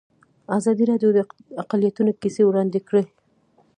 ازادي راډیو د اقلیتونه کیسې وړاندې کړي.